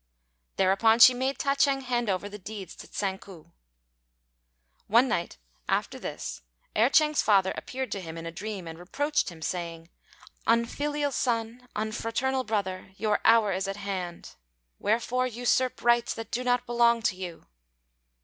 Thereupon she made Ta ch'êng hand over the deeds to Tsang ku. One night after this Erh ch'êng's father appeared to him in a dream, and reproached him, saying, "Unfilial son, unfraternal brother, your hour is at hand. Wherefore usurp rights that do not belong to you?"